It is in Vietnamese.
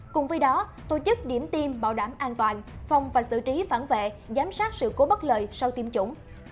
cùng với đó tổ chức điểm tiêm bảo đảm an toàn phòng và xử trí phản vệ giám sát sự cố bất lợi sau tiêm chủng